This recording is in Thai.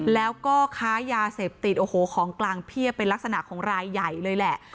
แล้วก็ค้ายาเสพติดโอ้โหของกลางเพียบเป็นลักษณะของรายใหญ่เลยแหละ